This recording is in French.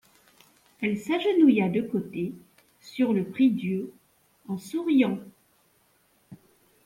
Elle s'agenouilla de côté, sur le prie-dieu, en souriant.